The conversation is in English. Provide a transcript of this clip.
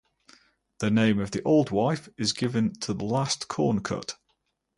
The name of the Old Wife is given to the last corn cut.